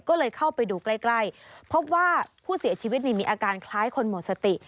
ก็เลยเข้าไปดูใกล้พบว่าผู้เสียชีวิตมีอาการคล้ายคนหมดสติ